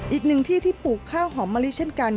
อีกหนึ่งที่ที่ปลูกข้าวหอมมะลิเช่นกัน